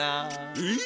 えっ？